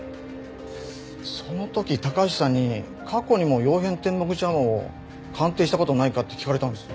その時高橋さんに「過去にも曜変天目茶碗を鑑定した事ないか？」って聞かれたんです。